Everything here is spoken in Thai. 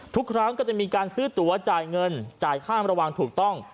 ทุกครั้งก็จะมีการซื้อตัวจ่ายเงินจ่ายค่าระวังถูกต้อง